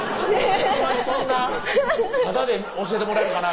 あんまりそんな「タダで教えてもらえるかな」